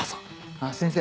あっ先生